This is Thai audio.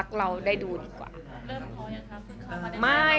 เริ่มทำเกราะอย่างคราวถึงคาวมาได้ไหม